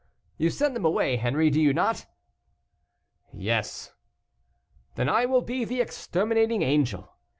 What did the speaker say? You send them away, Henri, do you not?" "Yes." "Then I will be the exterminating angel."